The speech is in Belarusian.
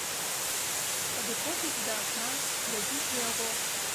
Падыходзіць да акна, глядзіць у яго.